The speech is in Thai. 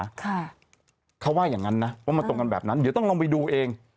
ค่ะเขาว่าอย่างงั้นนะว่ามันตรงกันแบบนั้นเดี๋ยวต้องลองไปดูเอง